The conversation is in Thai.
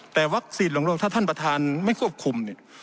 แต่วัคซีนของโลกถ้าท่านประธานไม่ควบคุมเนี่ย